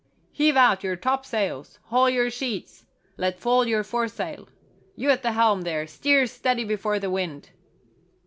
"Heave out your topsails! Haul your sheets! Let fall your foresail! You at the helm, there, steer steady before the wind!"